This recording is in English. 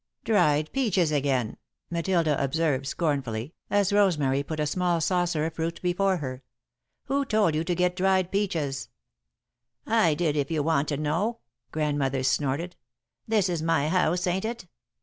[Sidenote: Head of the House] "Dried peaches again," Matilda observed, scornfully, as Rosemary put a small saucer of fruit before her. "Who told you to get dried peaches?" "I did, if you want to know," Grandmother snorted. "This is my house, ain't it?"